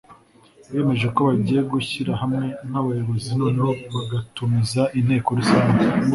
biyemeje ko bagiye gushyira hamwe nk’abayobozi noneho bagatumiza inteko rusange